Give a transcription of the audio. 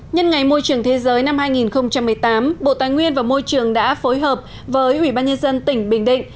nhân ngày môi trường thế giới năm hai nghìn một mươi tám bộ tài nguyên và môi trường đã phối hợp với ubnd tỉnh bình định